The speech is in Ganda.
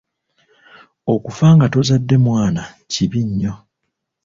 Okufa nga tozadde mwana kibi nnyo.